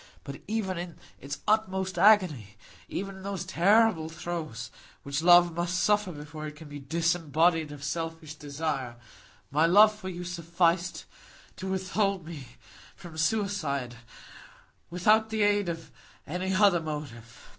But even in its utmost agony—even in those terrible throes that love must suffer before it can be disembodied of selfish desire—my love for you sufficed to withhold me from suicide, without the aid of any other motive.